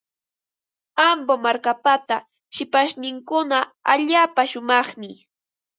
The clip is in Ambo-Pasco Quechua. Ambo markapa shipashninkuna allaapa shumaqmi.